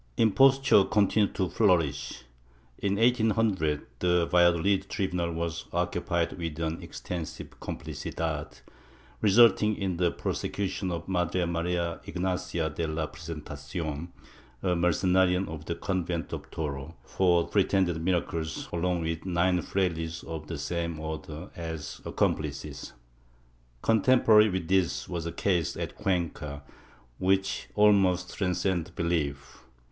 ^ Impostiire continued to flourish. In 1800 the Valladolid tri bunal was occupied with an extensive "complicidad," resulting in the prosecution of Madre Maria Ignacia de la Presentacion, a Mercenarian of the convent of Toro, for pretended miracles, along with nine frailes of the same Order as accomplices.^ Con temporary with this was a case at Cuenca, which almost transcends belief.